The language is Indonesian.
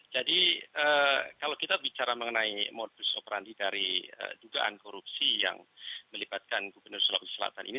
jadi kalau kita bicara mengenai modus operandi dari dugaan korupsi yang melibatkan gubernur selatan ini